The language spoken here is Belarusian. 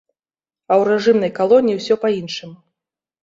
А ў рэжымнай калоніі усё па-іншаму.